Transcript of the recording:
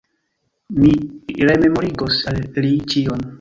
Mi rememorigos al li ĉion!